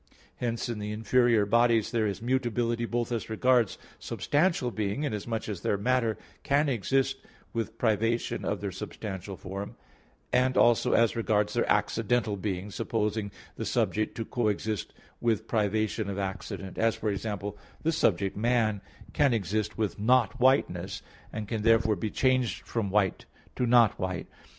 Hence, in the inferior bodies there is mutability both as regards substantial being, inasmuch as their matter can exist with privation of their substantial form, and also as regards their accidental being, supposing the subject to coexist with privation of accident; as, for example, this subject man can exist with not whiteness and can therefore be changed from white to not white.